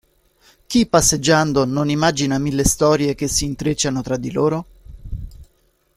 Chi passeggiando non immagina mille storie che si intrecciano tra di loro?